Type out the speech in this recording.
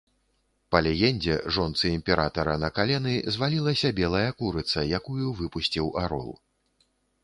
Па легендзе, жонцы імператара на калены звалілася белая курыца, якую выпусціў арол.